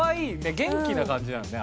元気な感じなんですね